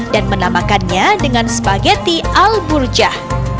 dan menamakannya dengan spageti al burjah